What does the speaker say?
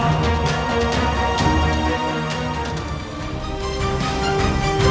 mereka sudah mengakhiri